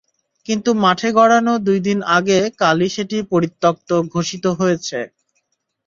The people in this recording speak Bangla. কিন্তু মাঠে গড়ানোর দুই দিন আগে কালই সেটি পরিত্যক্ত ঘোষিত হয়েছে।